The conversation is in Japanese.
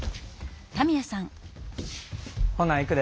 ほないくで。